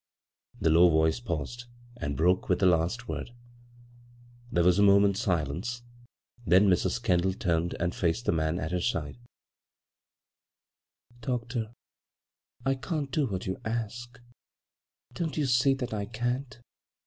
The low voice paused, and broke with the last word. There was a moment's silence, then Mrs. Kendall turned and faced the man at her side. 178 b, Google CROSS CURRENTS " Doctor, I can't do what you ask — don't you see that I can't?